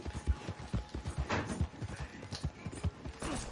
انسان يي نشي لیدلی